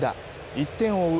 １点を追う